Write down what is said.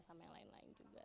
sama yang lain lain juga